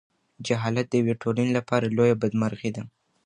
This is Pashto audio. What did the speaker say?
جهالت د یوې ټولنې لپاره لویه بدمرغي ده.